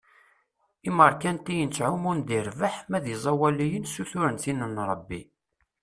Imerkantiyen ttɛumun di rrbeḥ, ma d iẓawaliyen suturen tin n Ṛebbi.